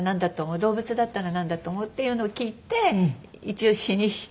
「動物だったらなんだと思う？」っていうのを聞いて一応詞にして。